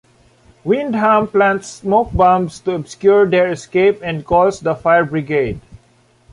Windham plants smoke bombs to obscure their escape and calls the fire brigade.